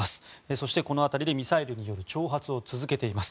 そして、この辺りでミサイルによる挑発を続けています。